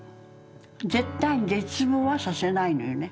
絶対絶望はさせないのよね。